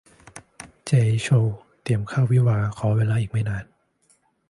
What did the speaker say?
เจย์ โชว์ เตรียมเข้าวิวาห์ ขอเวลาอีกไม่นาน